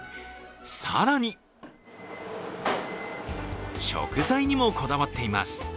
更に食材にもこだわっています。